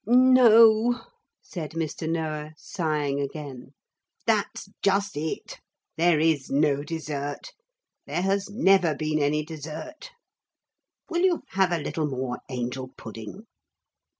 'No,' said Mr. Noah, sighing again, 'that's just it. There is no dessert. There has never been any dessert. Will you have a little more angel pudding?'